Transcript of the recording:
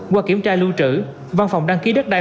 qua kiểm tra lưu trữ văn phòng đăng ký đất đai